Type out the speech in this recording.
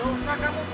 dosa kamu pur